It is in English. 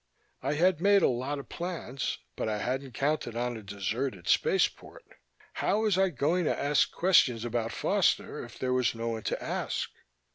I had made a lot of plans, but I hadn't counted on a deserted spaceport. How was I going to ask questions about Foster if there was no one to ask?